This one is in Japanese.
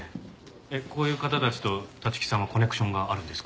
こういう方たちと立木さんはコネクションがあるんですか？